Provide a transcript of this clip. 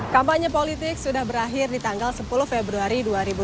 kampanye politik sudah berakhir di tanggal sepuluh februari dua ribu dua puluh